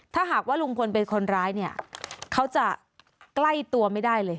ถ้าหากว่าลุงพลเป็นคนร้ายเนี่ยเขาจะใกล้ตัวไม่ได้เลย